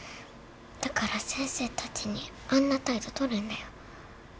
だから先生たちにあんな態度取るんだよ